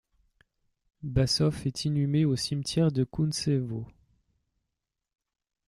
Bassov est inhumé au cimetière de Kountsevo.